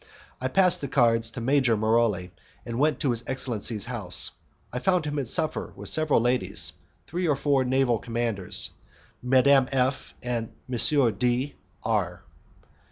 I passed the cards to Major Maroli, and went to his excellency's house. I found him at supper with several ladies, three or four naval commanders, Madame F , and M. D R